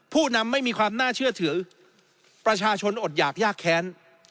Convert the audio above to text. ผู้นำไม่มีความน่าเชื่อถือประชาชนอดหยากยากแค้น